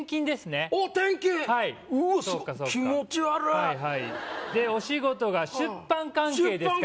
はいはいでお仕事が出版関係ですかね